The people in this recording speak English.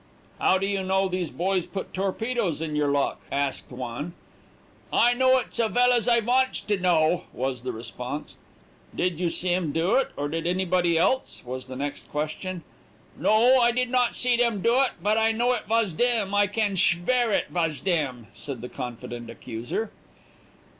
"'How do you know these boys put torpedoes in your lock?' asked one. "'I know it so vell as I vants to know,' was the response. "'Did you see 'em do it, or did anybody else? was the next question. "'No, I did not see dem do it, but I know it was dem I can, shvear it vas dem,' said the confident accuser.